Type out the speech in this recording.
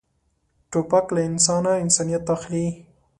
توپک له انسانه انسانیت اخلي.